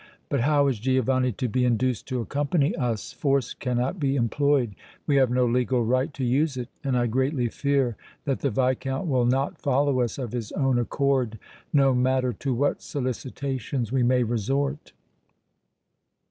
But how is Giovanni to be induced to accompany us? Force cannot be employed we have no legal right to use it and I greatly fear that the Viscount will not follow us of his own accord, no matter to what solicitations we may resort."